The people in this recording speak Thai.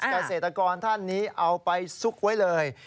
เกษตรกรท่านนี้เอาไปซุกไว้เลย